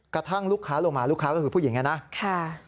กระทั่งลูกค้าลงมาลูกค้าก็คือผู้หญิงนะครับ